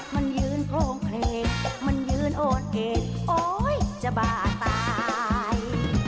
มันยืนโครงเพลงมันยืนโอนเหตุโอ๊ยจะบ้าตาย